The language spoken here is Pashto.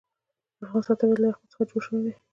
د افغانستان طبیعت له یاقوت څخه جوړ شوی دی.